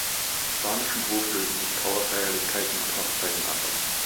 Am spanischen Hof lösen sich Trauerfeierlichkeiten und Hochzeiten ab.